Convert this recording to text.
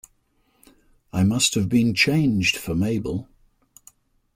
I must have been changed for Mabel!